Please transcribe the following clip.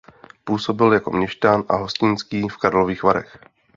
Působil jako měšťan a hostinský v Karlových Varech.